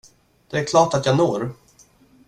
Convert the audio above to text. Det är klart att jag når.